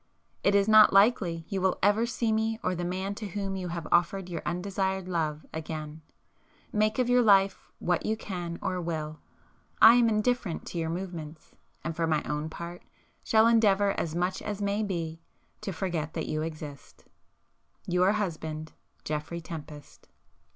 It is not likely you will ever see me or the man to whom you have offered your undesired love again,—make of your life what you can or will, I am indifferent to your movements, and for my own part, shall endeavour as much as may be, to forget that you exist. Your husband, Geoffrey Tempest.